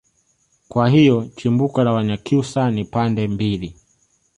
kwa hiyo chimbuko la wanyakyusa ni pande mbili